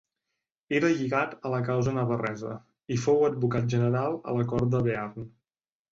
Era Lligat a la causa navarresa, i fou advocat general a la cort de Bearn.